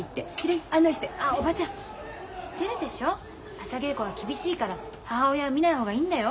朝稽古は厳しいから母親は見ない方がいいんだよ。